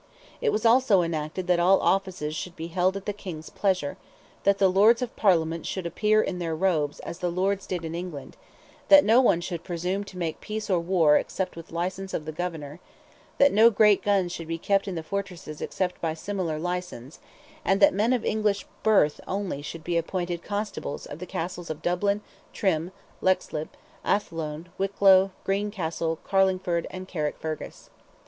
It was also enacted that all offices should be held at the King's pleasure; that the Lords of Parliament should appear in their robes as the Lords did in England; that no one should presume to make peace or war except with license of the Governor; that no great guns should be kept in the fortresses except by similar license; and that men of English birth only should be appointed Constables of the Castles of Dublin, Trim, Leixlip, Athlone, Wicklow, Greencastle, Carlingford, and Carrickfergus.